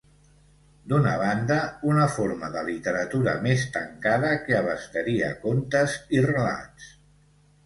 D'una banda, una forma de literatura més tancada que abastaria contes i relats.